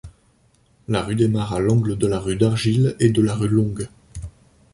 La rue démarre à l'angle de la rue d'Argile et de la rue Longue.